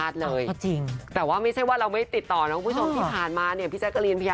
ใช่นะคะ